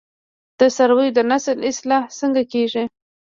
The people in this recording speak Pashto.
د څارویو د نسل اصلاح څنګه کیږي؟